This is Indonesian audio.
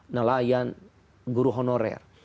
nelayan guru honorer